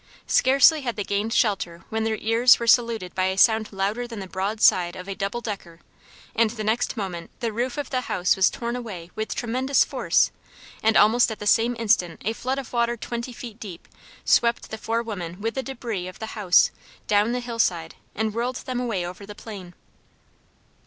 Scarcely had they gained shelter when their ears were saluted by a sound louder than the broadside of a double decker, and the next moment the roof of the house was torn away with tremendous force and almost at the same instant a flood of water twenty feet deep swept the four women with the débris of the house down the hillside and whirled them away over the plain.